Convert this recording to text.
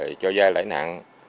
rồi cho giai lãi nặng